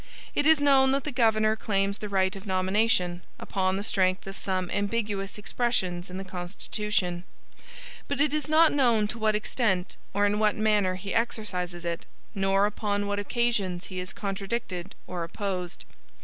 It is known that the governor claims the right of nomination, upon the strength of some ambiguous expressions in the constitution; but it is not known to what extent, or in what manner he exercises it; nor upon what occasions he is contradicted or opposed.